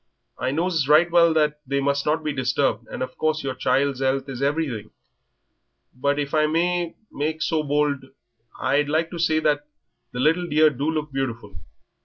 I knows right well that they must not be disturbed, and of course your child's 'ealth is everything; but if I may make so bold I'd like to say that the little dear do look beautiful.